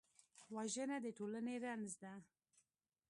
وژنه د ټولنې رنځ ده